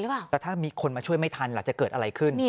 แล้วถ้ามีคนมาช่วยไม่ทันล่ะจะเกิดอะไรขึ้น